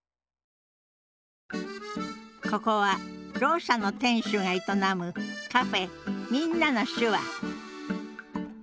ここはろう者の店主が営むカフェ「みんなの手話」